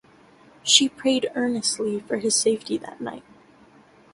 She prayed earnestly for his safety that night.